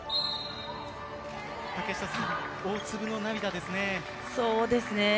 大粒の涙ですね。